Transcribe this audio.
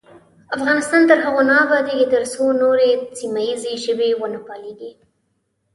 افغانستان تر هغو نه ابادیږي، ترڅو نورې سیمه ییزې ژبې ونه پالیږي.